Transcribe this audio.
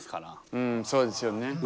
うんそうですよね。